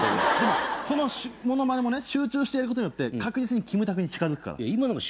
でもこの物まねもね集中してやることによって確実にキムタクに近づくから。